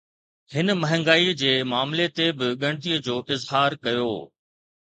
هن مهانگائي جي معاملي تي به ڳڻتي جو اظهار ڪيو